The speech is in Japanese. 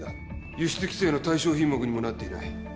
輸出規制の対象品目にもなっていない。